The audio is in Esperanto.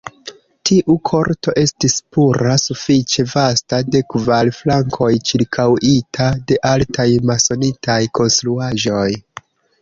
Tiu korto estis pura, sufiĉe vasta, de kvar flankoj ĉirkaŭita de altaj masonitaj konstruaĵoj.